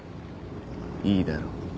いいだろう。